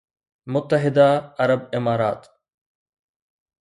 متحده عرب امارات